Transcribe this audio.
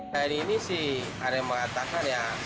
hari ini sih ada yang mengatakan ya